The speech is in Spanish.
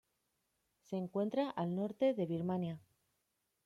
Se encuentra al norte de Birmania.